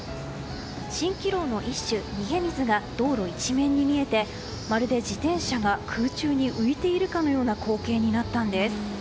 蜃気楼の一種逃げ水が道路一面に見えてまるで自転車が空中に浮いているかのような光景になったんです。